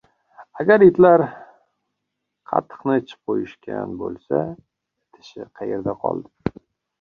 • Agar itlar qatiqni ichib qo‘yishgan bo‘lsa, idishi qayerda qoldi?